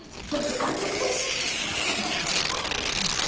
どうせ贋作だし。